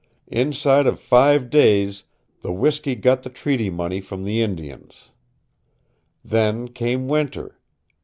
Inside of five days the whiskey got the Treaty Money from the Indians. Then came winter.